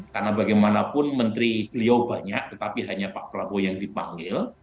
karena bagaimanapun menteri beliau banyak tetapi hanya pak prabowo yang dipanggil